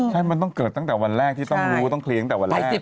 ใช่มันต้องเกิดตั้งแต่วันแรกที่ต้องรู้ต้องเคลียร์ตั้งแต่วันแรก